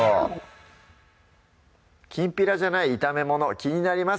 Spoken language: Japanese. きんぴらじゃない炒めもの気になります